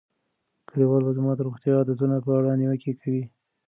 کلیوال به زما د روغتیايي عادتونو په اړه نیوکې کوي.